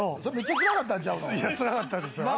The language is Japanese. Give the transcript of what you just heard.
つらかったですよ。